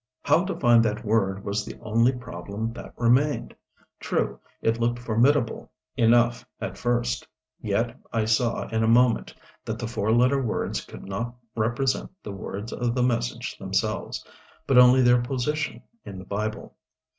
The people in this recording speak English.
How to find that word was the only problem that remained. True, it looked formidable enough at first. Yet I saw in a moment that the four letter words could not represent the words of the message themselves, but only their position in the Bible.